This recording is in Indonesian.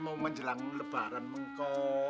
mau menjelang lebaran mengkok